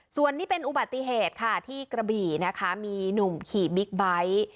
ส่วนนี้เป็นอุบัติเหตุค่ะที่กระบี่นะคะมีหนุ่มขี่บิ๊กไบท์